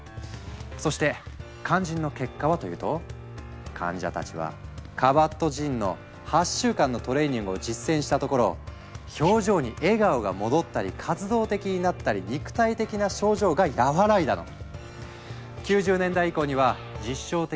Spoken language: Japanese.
そして肝心の結果はというと患者たちはカバットジンの８週間のトレーニングを実践したところ表情に笑顔が戻ったり活動的になったり肉体的な症状が和らいだの！